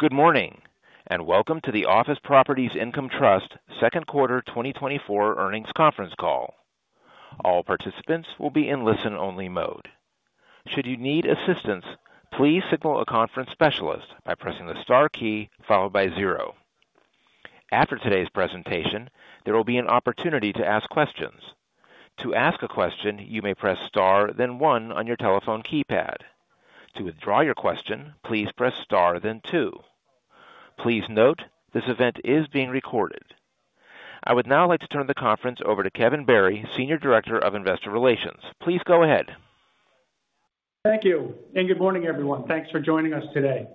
Good morning, and welcome to the Office Properties Income Trust second quarter 2024 earnings conference call. All participants will be in listen-only mode. Should you need assistance, please signal a conference specialist by pressing the star key followed by zero. After today's presentation, there will be an opportunity to ask questions. To ask a question, you may press star, then one on your telephone keypad. To withdraw your question, please press star, then two. Please note, this event is being recorded. I would now like to turn the conference over to Kevin Barry, Senior Director of Investor Relations. Please go ahead. Thank you, and good morning, everyone. Thanks for joining us today.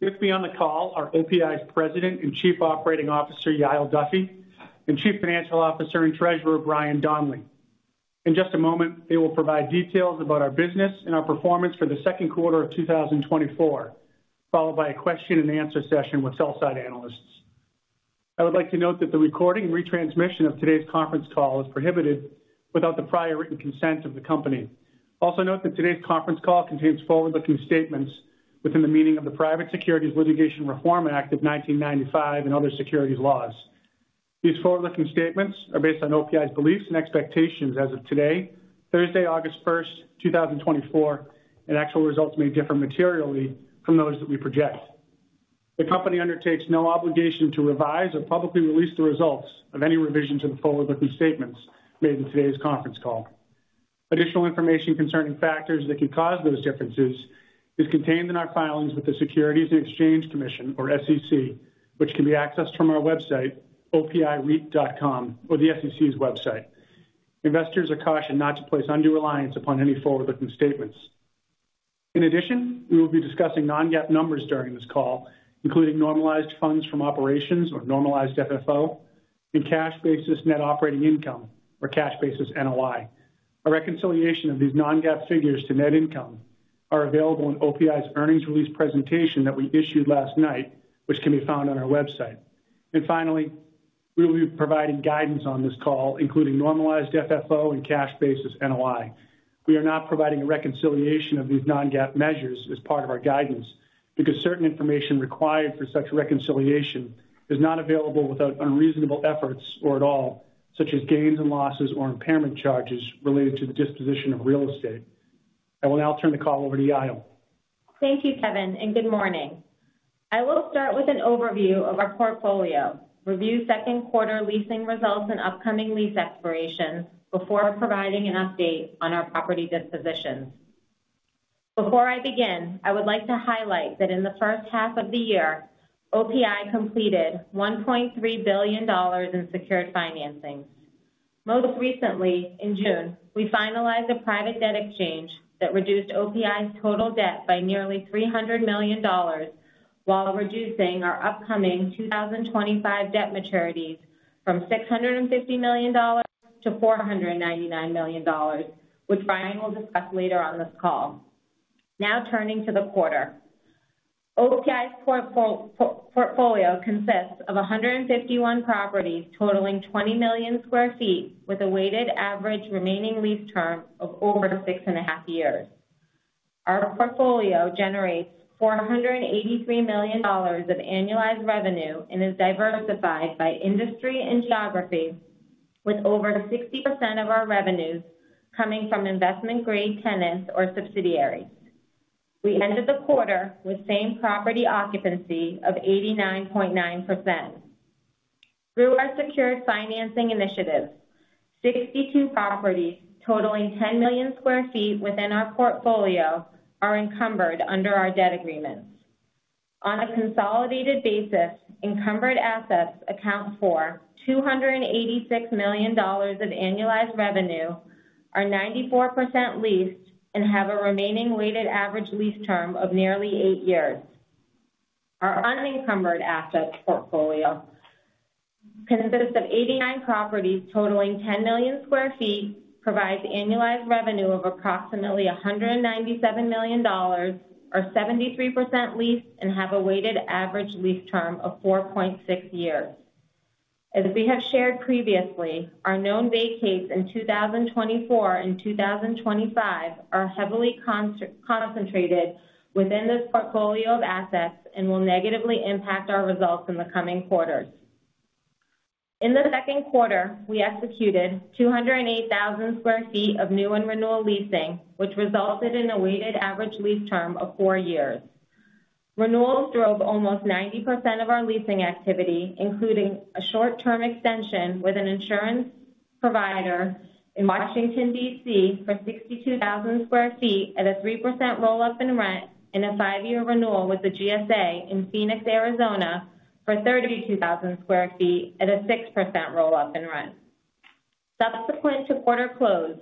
With me on the call are OPI's President and Chief Operating Officer, Yael Duffy, and Chief Financial Officer and Treasurer, Brian Donley. In just a moment, they will provide details about our business and our performance for the second quarter of 2024, followed by a question and answer session with sell-side analysts. I would like to note that the recording and retransmission of today's conference call is prohibited without the prior written consent of the company. Also note that today's conference call contains forward-looking statements within the meaning of the Private Securities Litigation Reform Act of 1995 and other securities laws. These forward-looking statements are based on OPI's beliefs and expectations as of today, Thursday, August 1, 2024, and actual results may differ materially from those that we project. The company undertakes no obligation to revise or publicly release the results of any revisions of the forward-looking statements made in today's conference call. Additional information concerning factors that could cause those differences is contained in our filings with the Securities and Exchange Commission, or SEC, which can be accessed from our website, opireit.com, or the SEC's website. Investors are cautioned not to place undue reliance upon any forward-looking statements. In addition, we will be discussing non-GAAP numbers during this call, including normalized funds from operations or normalized FFO, and cash basis net operating income or cash basis NOI. A reconciliation of these non-GAAP figures to net income are available in OPI's earnings release presentation that we issued last night, which can be found on our website. Finally, we will be providing guidance on this call, including normalized FFO and cash basis NOI. We are not providing a reconciliation of these non-GAAP measures as part of our guidance because certain information required for such reconciliation is not available without unreasonable efforts or at all, such as gains and losses or impairment charges related to the disposition of real estate. I will now turn the call over to Yael. Thank you, Kevin, and good morning. I will start with an overview of our portfolio, review second quarter leasing results and upcoming lease expirations before providing an update on our property dispositions. Before I begin, I would like to highlight that in the first half of the year, OPI completed $1.3 billion in secured financing. Most recently, in June, we finalized a private debt exchange that reduced OPI's total debt by nearly $300 million, while reducing our upcoming 2025 debt maturities from $650 million to $499 million, which Brian will discuss later on this call. Now, turning to the quarter. OPI's portfolio consists of 151 properties, totaling 20 million sq ft, with a weighted average remaining lease term of over 6.5 years. Our portfolio generates $483 million of annualized revenue and is diversified by industry and geography, with over 60% of our revenues coming from investment-grade tenants or subsidiaries. We ended the quarter with same property occupancy of 89.9%. Through our secured financing initiatives, 62 properties totaling 10 million sq ft within our portfolio are encumbered under our debt agreements. On a consolidated basis, encumbered assets account for $286 million of annualized revenue, are 94% leased, and have a remaining weighted average lease term of nearly 8 years. Our unencumbered assets portfolio consists of 89 properties, totaling 10 million sq ft, provides annualized revenue of approximately $197 million, are 73% leased, and have a weighted average lease term of 4.6 years. As we have shared previously, our known vacates in 2024 and 2025 are heavily concentrated within this portfolio of assets and will negatively impact our results in the coming quarters. In the second quarter, we executed 208,000 sq ft of new and renewal leasing, which resulted in a weighted average lease term of 4 years. Renewals drove almost 90% of our leasing activity, including a short-term extension with an insurance provider in Washington, D.C., for 62,000 sq ft at a 3% roll-up in rent and a 5-year renewal with the GSA in Phoenix, Arizona, for 32,000 sq ft at a 6% roll-up in rent. Subsequent to quarter close,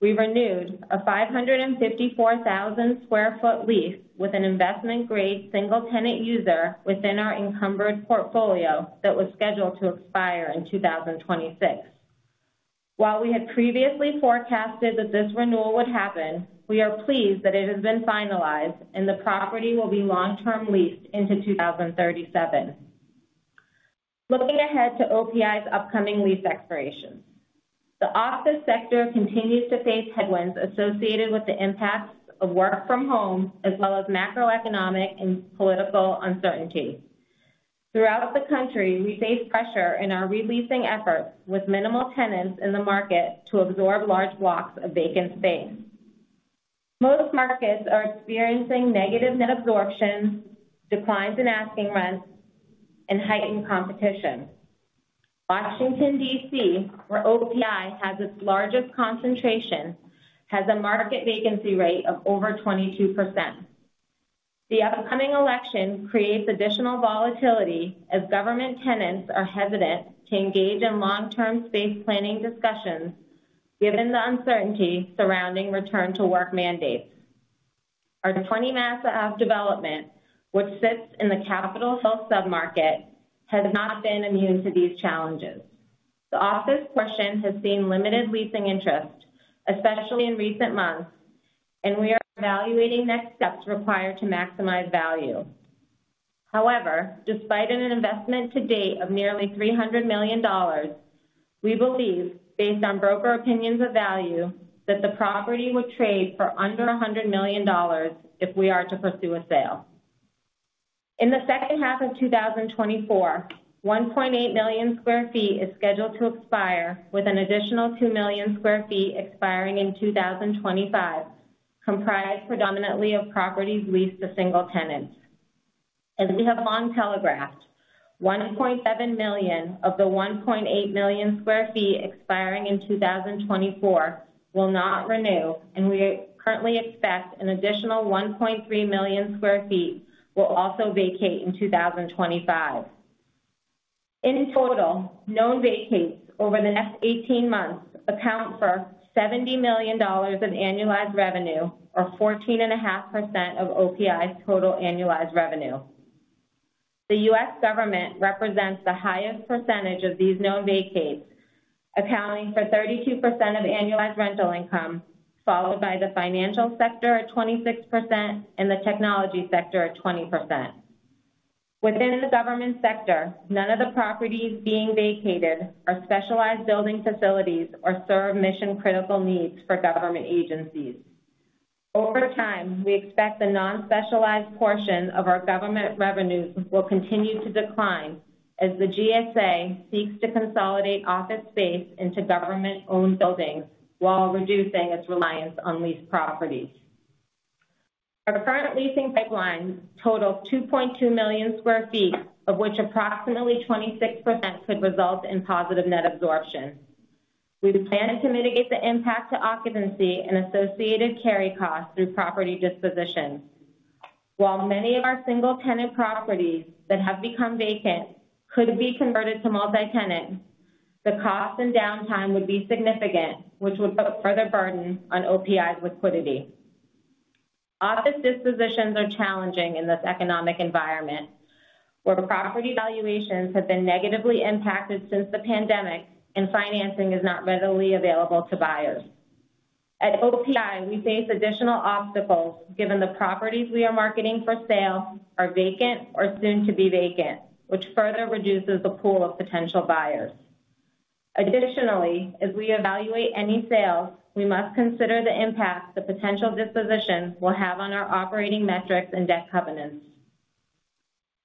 we renewed a 554,000 sq ft lease with an investment-grade single tenant user within our encumbered portfolio that was scheduled to expire in 2026. While we had previously forecasted that this renewal would happen, we are pleased that it has been finalized, and the property will be long-term leased into 2037.... Looking ahead to OPI's upcoming lease expirations. The office sector continues to face headwinds associated with the impacts of work from home, as well as macroeconomic and political uncertainty. Throughout the country, we face pressure in our re-leasing efforts, with minimal tenants in the market to absorb large blocks of vacant space. Most markets are experiencing negative net absorption, declines in asking rents, and heightened competition. Washington, D.C., where OPI has its largest concentration, has a market vacancy rate of over 22%. The upcoming election creates additional volatility as government tenants are hesitant to engage in long-term space planning discussions, given the uncertainty surrounding return-to-work mandates. Our 20 Mass Ave development, which sits in the Capitol Hill submarket, has not been immune to these challenges. The office portion has seen limited leasing interest, especially in recent months, and we are evaluating next steps required to maximize value. However, despite an investment to date of nearly $300 million, we believe, based on broker opinions of value, that the property would trade for under $100 million if we are to pursue a sale. In the second half of 2024, 1.8 million sq ft is scheduled to expire, with an additional 2 million sq ft expiring in 2025, comprised predominantly of properties leased to single tenants. As we have long telegraphed, 1.7 million sq ft of the 1.8 million sq ft expiring in 2024 will not renew, and we currently expect an additional 1.3 million sq ft will also vacate in 2025. In total, known vacates over the next 18 months account for $70 million of annualized revenue, or 14.5% of OPI's total annualized revenue. The U.S. government represents the highest percentage of these known vacates, accounting for 32% of annualized rental income, followed by the financial sector at 26% and the technology sector at 20%. Within the government sector, none of the properties being vacated are specialized building facilities or serve mission-critical needs for government agencies. Over time, we expect the non-specialized portion of our government revenues will continue to decline as the GSA seeks to consolidate office space into government-owned buildings while reducing its reliance on leased properties. Our current leasing pipeline totals 2.2 million sq ft, of which approximately 26% could result in positive net absorption. We plan to mitigate the impact to occupancy and associated carry costs through property dispositions. While many of our single-tenant properties that have become vacant could be converted to multi-tenant, the cost and downtime would be significant, which would put further burden on OPI's liquidity. Office dispositions are challenging in this economic environment, where property valuations have been negatively impacted since the pandemic and financing is not readily available to buyers. At OPI, we face additional obstacles, given the properties we are marketing for sale are vacant or soon to be vacant, which further reduces the pool of potential buyers. Additionally, as we evaluate any sale, we must consider the impact the potential disposition will have on our operating metrics and debt covenants.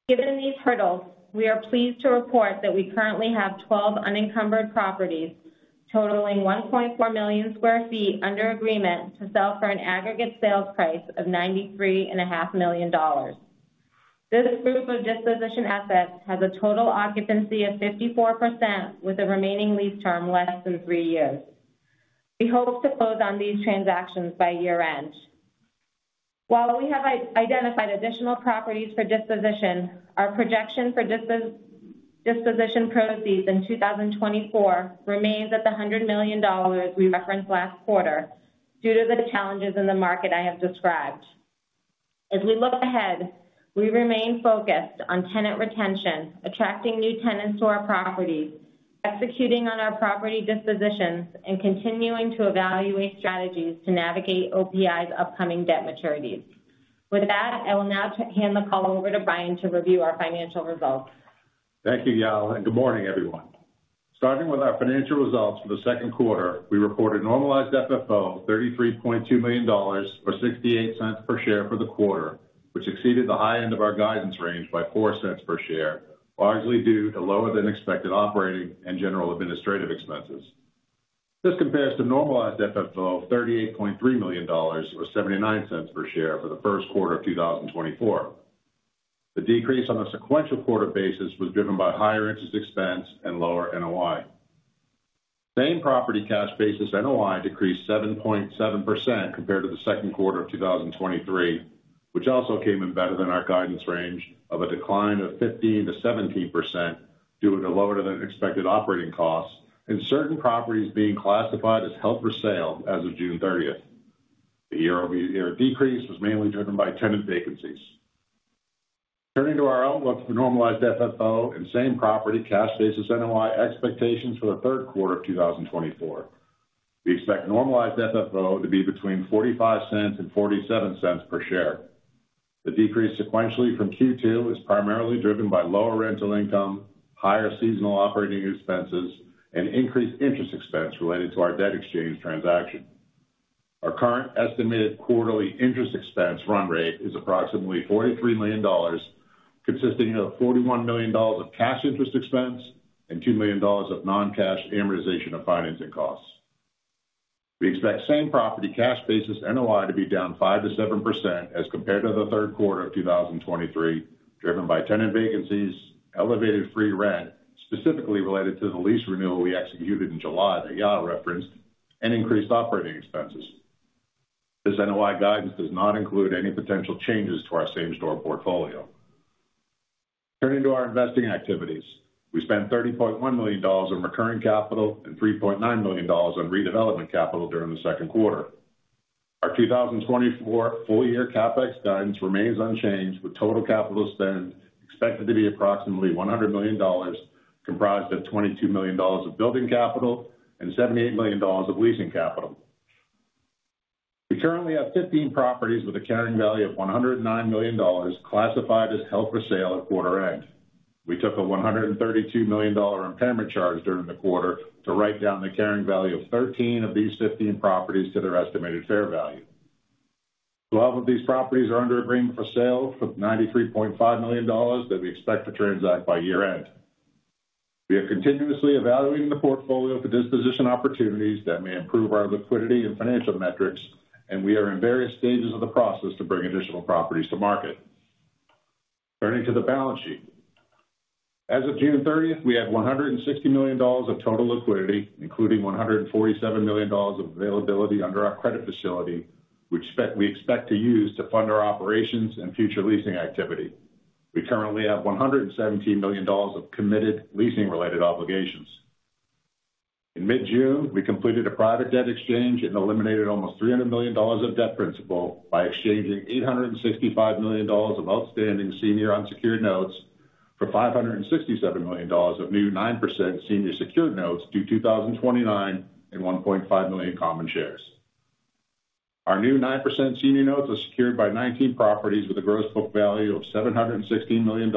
Given these hurdles, we are pleased to report that we currently have 12 unencumbered properties totaling 1.4 million sq ft under agreement to sell for an aggregate sales price of $93.5 million. This group of disposition assets has a total occupancy of 54%, with a remaining lease term less than three years. We hope to close on these transactions by year-end. While we have identified additional properties for disposition, our projection for disposition proceeds in 2024 remains at the $100 million we referenced last quarter due to the challenges in the market I have described. As we look ahead, we remain focused on tenant retention, attracting new tenants to our properties, executing on our property dispositions, and continuing to evaluate strategies to navigate OPI's upcoming debt maturities. With that, I will now hand the call over to Brian to review our financial results. Thank you, Yael, and good morning, everyone. Starting with our financial results for the second quarter, we reported normalized FFO $33.2 million, or $0.68 per share for the quarter, which exceeded the high end of our guidance range by $0.04 per share, largely due to lower-than-expected operating and general administrative expenses. This compares to normalized FFO of $38.3 million, or $0.79 per share for the first quarter of 2024. The decrease on a sequential quarter basis was driven by higher interest expense and lower NOI. Same-property cash basis NOI decreased 7.7% compared to the second quarter of 2023, which also came in better than our guidance range of a decline of 15%-17%, due to lower-than-expected operating costs and certain properties being classified as held for sale as of June thirtieth. The year-over-year decrease was mainly driven by tenant vacancies. Turning to our outlook for normalized FFO and same-property cash basis NOI expectations for the third quarter of 2024. We expect normalized FFO to be between $0.45 and $0.47 per share. The decrease sequentially from Q2 is primarily driven by lower rental income, higher seasonal operating expenses, and increased interest expense related to our debt exchange transaction. Our current estimated quarterly interest expense run rate is approximately $43 million, consisting of $41 million of cash interest expense and $2 million of non-cash amortization of financing costs. We expect same-property cash basis NOI to be down 5%-7% as compared to the third quarter of 2023, driven by tenant vacancies, elevated free rent, specifically related to the lease renewal we executed in July that Yael referenced, and increased operating expenses. This NOI guidance does not include any potential changes to our same store portfolio. Turning to our investing activities. We spent $30.1 million on recurring capital and $3.9 million on redevelopment capital during the second quarter. Our 2024 full year CapEx guidance remains unchanged, with total capital spend expected to be approximately $100 million, comprised of $22 million of building capital and $78 million of leasing capital. We currently have 15 properties with a carrying value of $109 million, classified as held for sale at quarter end. We took a $132 million impairment charge during the quarter to write down the carrying value of 13 of these 15 properties to their estimated fair value. Twelve of these properties are under agreement for sale for $93.5 million that we expect to transact by year-end. We are continuously evaluating the portfolio for disposition opportunities that may improve our liquidity and financial metrics, and we are in various stages of the process to bring additional properties to market. Turning to the balance sheet. As of June 30, we had $160 million of total liquidity, including $147 million of availability under our credit facility, which we expect to use to fund our operations and future leasing activity. We currently have $117 million of committed leasing-related obligations. In mid-June, we completed a private debt exchange and eliminated almost $300 million of debt principal by exchanging $865 million of outstanding senior unsecured notes for $567 million of new 9% senior secured notes due 2029 and 1.5 million common shares. Our new 9% senior notes are secured by 19 properties with a gross book value of $716 million,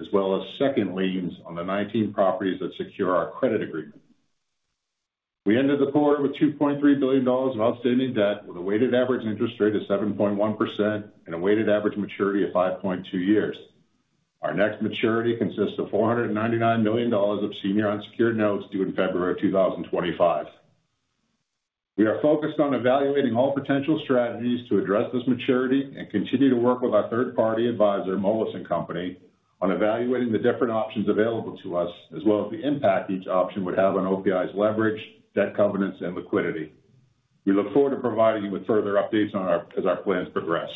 as well as second liens on the 19 properties that secure our credit agreement. We ended the quarter with $2.3 billion of outstanding debt, with a weighted average interest rate of 7.1% and a weighted average maturity of 5.2 years. Our next maturity consists of $499 million of senior unsecured notes due in February of 2025. We are focused on evaluating all potential strategies to address this maturity and continue to work with our third party advisor, Moelis & Company, on evaluating the different options available to us, as well as the impact each option would have on OPI's leverage, debt, covenants, and liquidity. We look forward to providing you with further updates as our plans progress.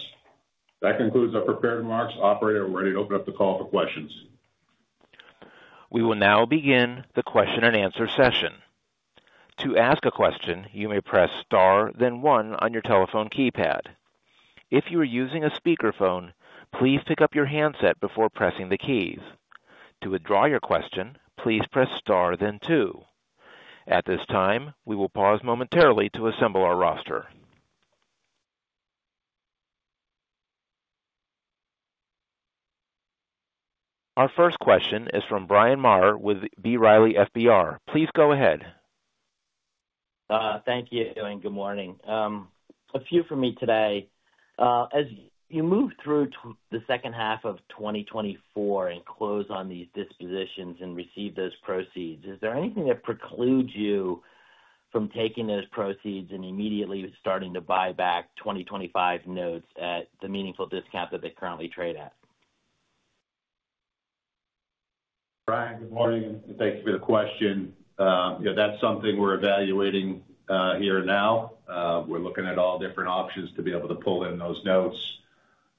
That concludes our prepared remarks. Operator, we're ready to open up the call for questions. We will now begin the question and answer session. To ask a question, you may press star, then one on your telephone keypad. If you are using a speakerphone, please pick up your handset before pressing the keys. To withdraw your question, please press star then two. At this time, we will pause momentarily to assemble our roster. Our first question is from Bryan Maher with B. Riley FBR. Please go ahead. Thank you, and good morning. A few from me today. As you move through to the second half of 2024 and close on these dispositions and receive those proceeds, is there anything that precludes you from taking those proceeds and immediately starting to buy back 2025 notes at the meaningful discount that they currently trade at? Brian, good morning, and thank you for the question. Yeah, that's something we're evaluating here now. We're looking at all different options to be able to pull in those notes,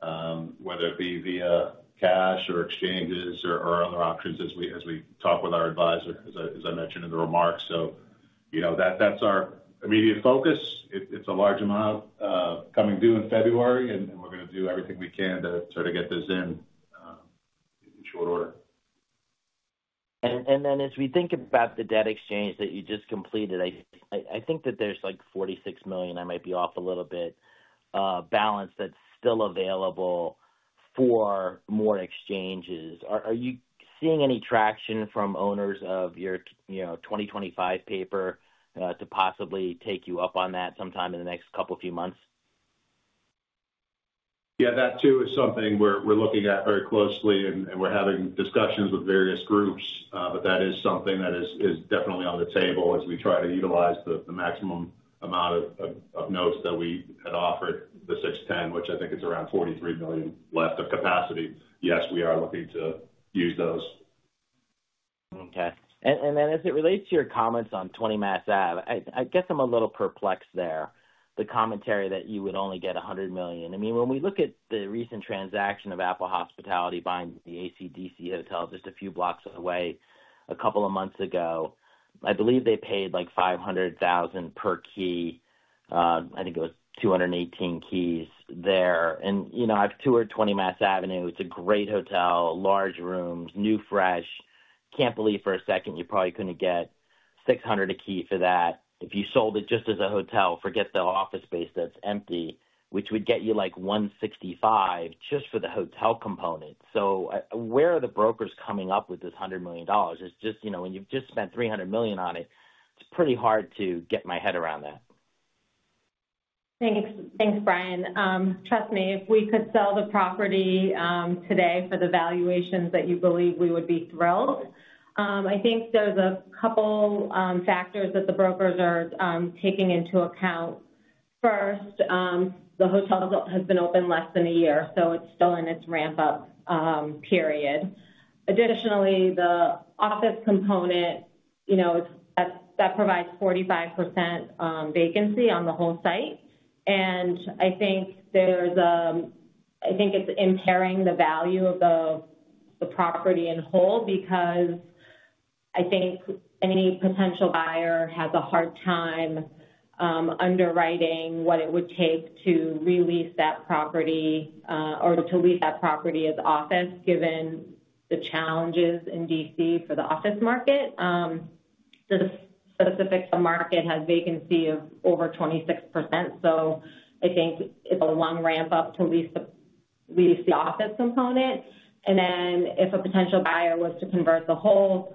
whether it be via cash or exchanges or other options as we talk with our advisor, as I mentioned in the remarks. So, you know, that's our immediate focus. It's a large amount coming due in February, and we're gonna do everything we can to sort of get this in in short order. And then as we think about the debt exchange that you just completed, I think that there's like $46 million, I might be off a little bit, balance that's still available for more exchanges. Are you seeing any traction from owners of your you know, 2025 paper, to possibly take you up on that sometime in the next couple of few months? Yeah, that too, is something we're looking at very closely, and we're having discussions with various groups. But that is something that is definitely on the table as we try to utilize the maximum amount of notes that we had offered, the $610 million which I think is around $43 billion left of capacity. Yes, we are looking to use those. Okay. And then as it relates to your comments on Twenty Mass Ave, I guess I'm a little perplexed there, the commentary that you would only get $100 million. I mean, when we look at the recent transaction of Apple Hospitality buying the AC Hotel just a few blocks away a couple of months ago, I believe they paid, like, $500,000 per key. I think it was 218 keys there. And, you know, I've toured Twenty Mass Avenue. It's a great hotel, large rooms, new, fresh.... Can't believe for a second you probably couldn't get $600 a key for that. If you sold it just as a hotel, forget the office space that's empty, which would get you, like, $165 million just for the hotel component. So, where are the brokers coming up with this $100 million? It's just, you know, when you've just spent $300 million on it, it's pretty hard to get my head around that. Thanks. Thanks, Brian. Trust me, if we could sell the property, today for the valuations that you believe, we would be thrilled. I think there's a couple factors that the brokers are taking into account. First, the hotel has been open less than a year, so it's still in its ramp-up period. Additionally, the office component, you know, it's that that provides 45% vacancy on the whole site, and I think it's impairing the value of the property in whole, because I think any potential buyer has a hard time underwriting what it would take to re-lease that property, or to lease that property as office, given the challenges in DC for the office market. So the specific, the market has vacancy of over 26%, so I think it's a long ramp-up to lease the, lease the office component. And then if a potential buyer was to convert the whole,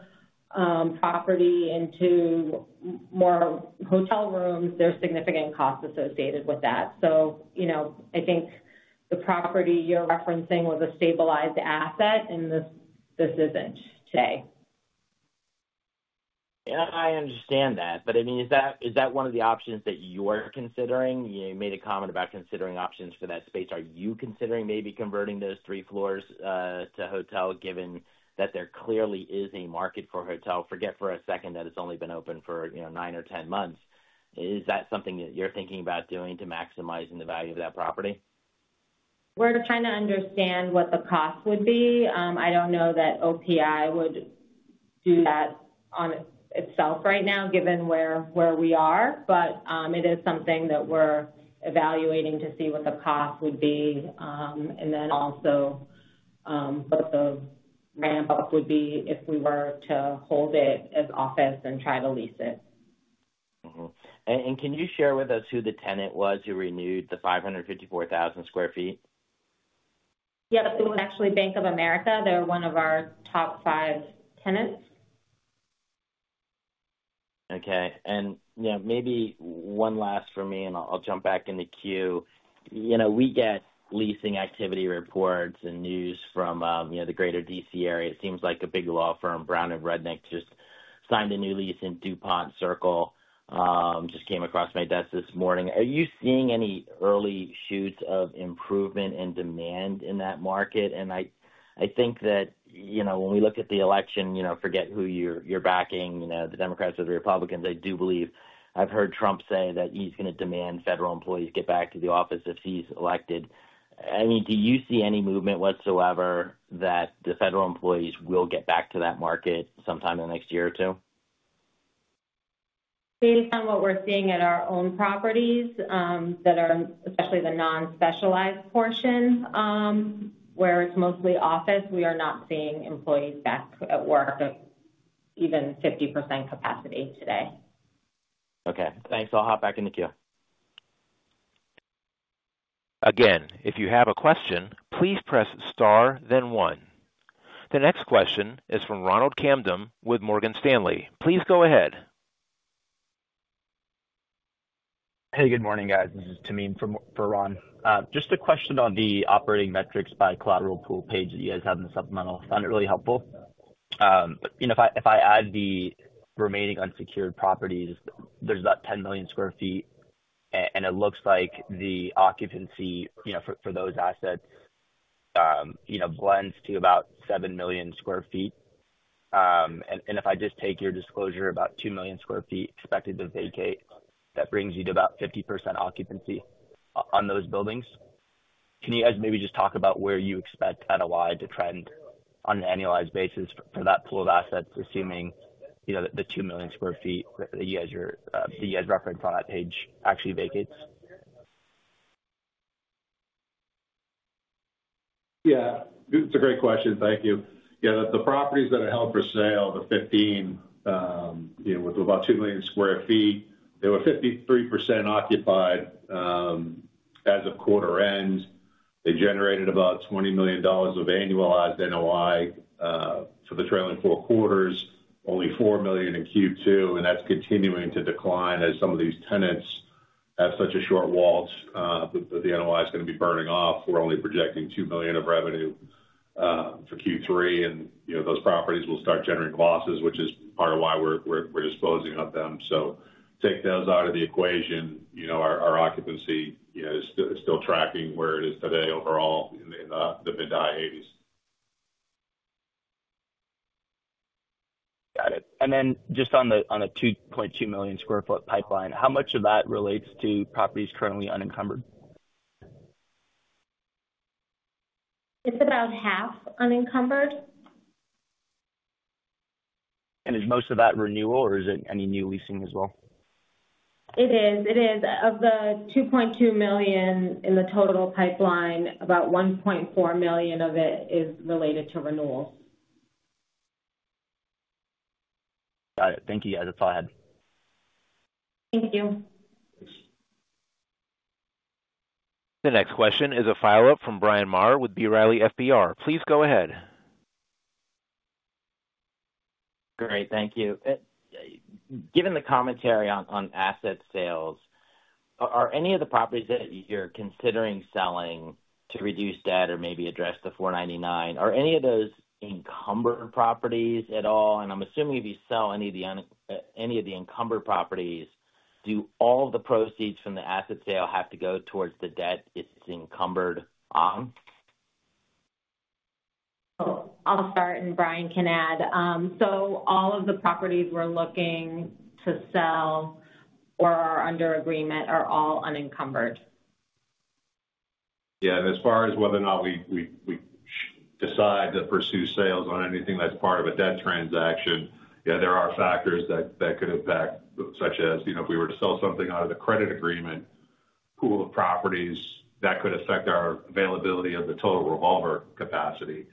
property into more hotel rooms, there's significant costs associated with that. So, you know, I think the property you're referencing was a stabilized asset, and this, this isn't today. Yeah, I understand that, but, I mean, is that, is that one of the options that you're considering? You made a comment about considering options for that space. Are you considering maybe converting those three floors to hotel, given that there clearly is a market for hotel? Forget for a second that it's only been open for, you know, nine or 10 months. Is that something that you're thinking about doing to maximize the value of that property? We're trying to understand what the cost would be. I don't know that OPI would do that on it itself right now, given where we are, but it is something that we're evaluating to see what the cost would be, and then also what the ramp-up would be if we were to hold it as office and try to lease it. Mm-hmm. And, and can you share with us who the tenant was who renewed the 554,000 sq ft? Yeah, it was actually Bank of America. They're one of our top five tenants. Okay. You know, maybe one last from me, and I'll jump back in the queue. You know, we get leasing activity reports and news from, you know, the greater D.C. area. It seems like a big law firm, Brown Rudnick, just signed a new lease in Dupont Circle. Just came across my desk this morning. Are you seeing any early shoots of improvement and demand in that market? And I think that, you know, when we look at the election, you know, forget who you're backing, you know, the Democrats or the Republicans. I do believe I've heard Trump say that he's going to demand federal employees get back to the office if he's elected. I mean, do you see any movement whatsoever that the federal employees will get back to that market sometime in the next year or two? Based on what we're seeing at our own properties, that are, especially the non-specialized portion, where it's mostly office, we are not seeing employees back at work at even 50% capacity today. Okay, thanks. I'll hop back in the queue. Again, if you have a question, please press star, then one. The next question is from Ronald Kamdem with Morgan Stanley. Please go ahead. Hey, good morning, guys. This is Tamin for Morgan for Ron. Just a question on the operating metrics by collateral pool page that you guys have in the supplemental. I found it really helpful. But, you know, if I, if I add the remaining unsecured properties, there's about 10 million sq ft, and it looks like the occupancy, you know, for, for those assets, you know, blends to about 7 million sq ft. And, and if I just take your disclosure, about 2 million sq ft expected to vacate, that brings you to about 50% occupancy on those buildings. Can you guys maybe just talk about where you expect NOI to trend on an annualized basis for that pool of assets, assuming, you know, the, the 2 million sq ft that you guys are, that you guys referenced on that page actually vacates? Yeah, it's a great question. Thank you. Yeah, the properties that are held for sale, the 15, you know, with about 2 million sq ft, they were 53% occupied, as of quarter end. They generated about $20 million of annualized NOI, for the trailing four quarters, only $4 million in Q2, and that's continuing to decline. As some of these tenants have such a short WALT, the NOI is gonna be burning off. We're only projecting $2 million of revenue, for Q3, and, you know, those properties will start generating losses, which is part of why we're disposing of them. So take those out of the equation, you know, our occupancy, you know, is still tracking where it is today overall in the mid-high 80s. Got it. And then just on the 2.2 million sq ft pipeline, how much of that relates to properties currently unencumbered? It's about half unencumbered. Is most of that renewal, or is it any new leasing as well?... It is, it is. Of the 2.2 million in the total pipeline, about 1.4 million of it is related to renewals. Got it. Thank you, guys. That's all I had. Thank you. The next question is a follow-up from Brian Maher with B. Riley FBR. Please go ahead. Great, thank you. Given the commentary on, on asset sales, are any of the properties that you're considering selling to reduce debt or maybe address the 4.99, are any of those encumbered properties at all? And I'm assuming if you sell any of the encumbered properties, do all the proceeds from the asset sale have to go towards the debt it's encumbered on? I'll start, and Brian can add. All of the properties we're looking to sell or are under agreement are all unencumbered. Yeah, and as far as whether or not we decide to pursue sales on anything that's part of a debt transaction, yeah, there are factors that could impact, such as, you know, if we were to sell something out of the credit agreement pool of properties, that could affect our availability of the total revolver capacity.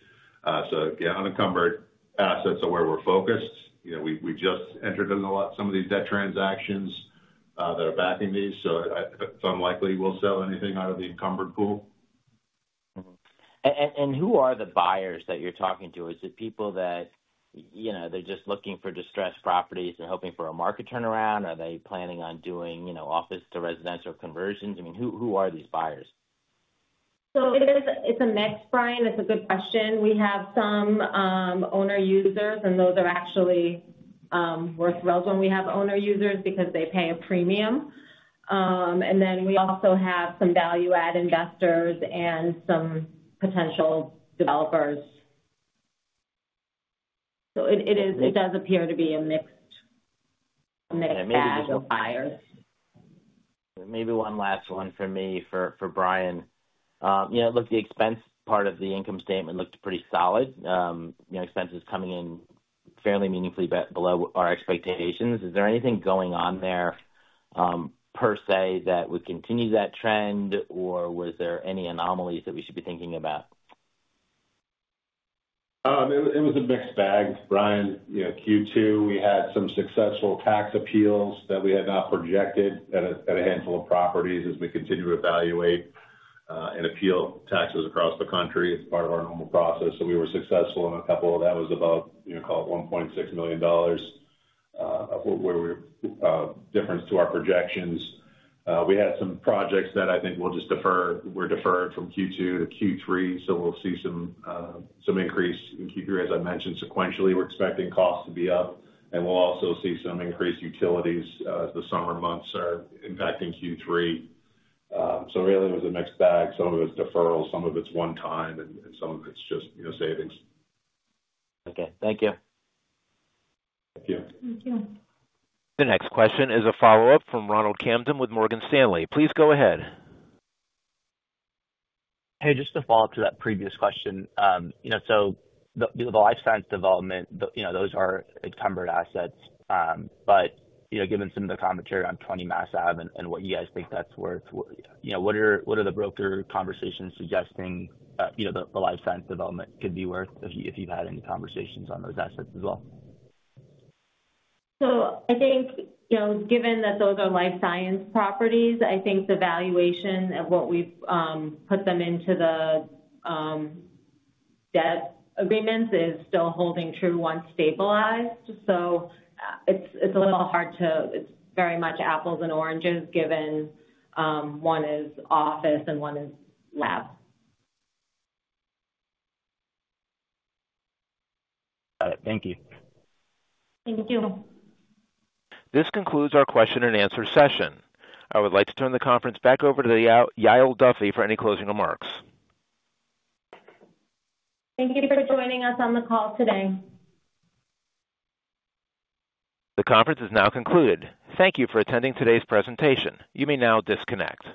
So again, unencumbered assets are where we're focused. You know, we just entered into some of these debt transactions that are backing these, so it's unlikely we'll sell anything out of the encumbered pool. Mm-hmm. And who are the buyers that you're talking to? Is it people that, you know, they're just looking for distressed properties and hoping for a market turnaround? Are they planning on doing, you know, office to residential conversions? I mean, who are these buyers? So it's a mix, Brian. That's a good question. We have some owner users, and those are actually of relevance when we have owner users because they pay a premium. And then we also have some value add investors and some potential developers. So it is a mixed bag of buyers. Maybe one last one for me, for Brian. You know, look, the expense part of the income statement looked pretty solid. You know, expenses coming in fairly meaningfully below our expectations. Is there anything going on there, per se, that would continue that trend, or was there any anomalies that we should be thinking about? It was, it was a mixed bag, Brian. You know, Q2, we had some successful tax appeals that we had not projected at a handful of properties as we continue to evaluate and appeal taxes across the country. It's part of our normal process, so we were successful, and a couple of that was about, you know, call it $1.6 million of where we're difference to our projections. We had some projects that I think we'll just defer, were deferred from Q2 to Q3, so we'll see some increase in Q3. As I mentioned, sequentially, we're expecting costs to be up, and we'll also see some increased utilities as the summer months are impacting Q3. So really, it was a mixed bag. Some of it's deferral, some of it's one time, and some of it's just, you know, savings. Okay. Thank you. Thank you. Thank you. The next question is a follow-up from Ronald Kamdem with Morgan Stanley. Please go ahead. Hey, just to follow up to that previous question. You know, so the life science development, you know, those are encumbered assets. But, you know, given some of the commentary on Twenty Mass Ave and what you guys think that's worth, what are the broker conversations suggesting, you know, the life science development could be worth, if you've had any conversations on those assets as well? So I think, you know, given that those are life science properties, I think the valuation of what we've put them into the debt agreements is still holding true once stabilized. So it's a little hard to. It's very much apples and oranges, given one is office and one is lab. Got it. Thank you. Thank you. This concludes our question and answer session. I would like to turn the conference back over to Yael Duffy for any closing remarks. Thank you for joining us on the call today. The conference is now concluded. Thank you for attending today's presentation. You may now disconnect.